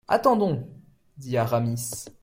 Attendons, dit Aramis.